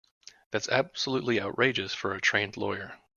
That's absolutely outrageous for a trained lawyer.